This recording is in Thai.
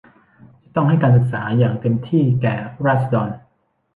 จะต้องให้การศึกษาอย่างเต็มที่แก่ราษฎร